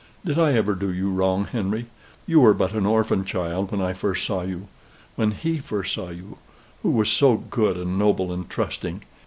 Did I ever do you a wrong, Henry? You were but an orphan child when I first saw you when HE first saw you, who was so good, and noble, and trusting.